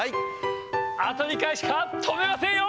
あと２回しか飛べませんよ。